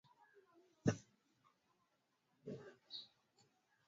Kudhibiti ngombe kuingiliana na mifugo tofautitofauti hukabiliana na ugonjwa wa mapele ya ngozi